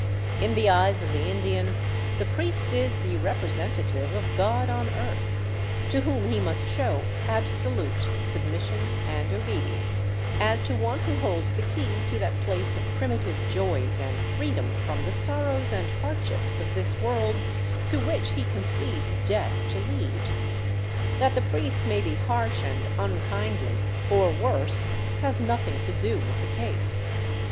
In the eyes of the Indian the priest is the representative of God on earth, to whom he must show absolute sub mission and obedience, as to one who holds the key to that place of primitive joys and freedom from the sorrows and hardships of this world to which he conceives death to lead. That the priest may be harsh and unkindly, or worse, has nothing to do with the case.